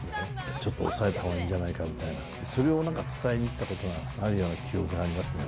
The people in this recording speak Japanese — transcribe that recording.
ちょっと抑えたほうがいいんじゃないかみたいな、それを伝えに行ったことがあるような記憶がありますね。